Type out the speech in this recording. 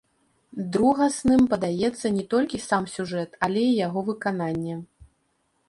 Другасным падаецца не толькі сам сюжэт, але і яго выкананне.